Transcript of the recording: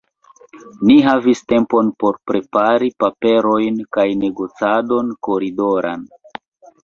Ni havis tempon por prepari paperojn kaj negocadon koridoran.